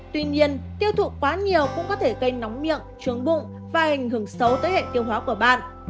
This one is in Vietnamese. tuy nhiên tiêu thụ quá nhiều cũng có thể gây nóng miệng trướng bụng và ảnh hưởng xấu tới hệ tiêu hóa của bạn